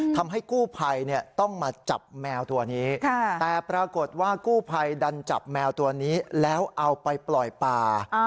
ทำให้กู้ภัยต้องมาจับแมวตัวนี้แต่ปรากฏว่ากู้ภัยดันจับแมวตัวนี้แล้วเอาไปปล่อยป่า